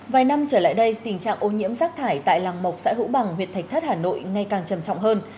vài năm trở lại đây tình trạng ô nhiễm rác thải tại làng mộc xã hữu bằng huyện thạch thất hà nội ngày càng trầm trọng hơn